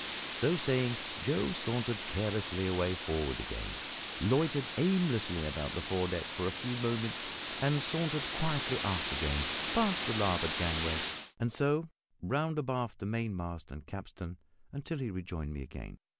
So saying, Joe sauntered carelessly away forward again; loitered aimlessly about the foredeck for a few minutes; sauntered quietly aft again past the larboard gangway, and so round abaft the mainmast and capstan until he rejoined me again.